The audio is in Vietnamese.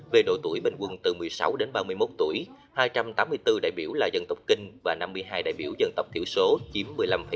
về độ tuổi bình quân từ một mươi sáu đến ba mươi một tuổi hai trăm tám mươi bốn đại biểu là dân tộc kinh và năm mươi hai đại biểu dân tộc thiểu số chiếm một mươi năm